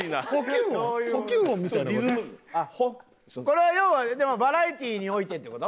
これは要はバラエティーにおいてって事？